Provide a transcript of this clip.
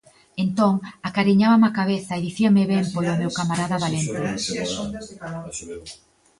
Entón, acariñábame a cabeza e dicíame ben polo meu camarada valente.